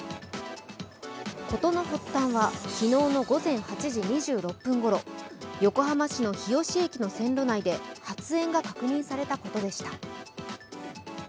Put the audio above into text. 事の発端は昨日の午前８時２６分ごろ横浜市の日吉駅の線路内で発煙が確認されたことでした。